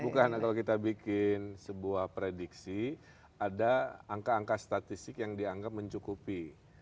bukan kalau kita bikin sebuah prediksi ada angka angka statistik yang dianggap mencukupi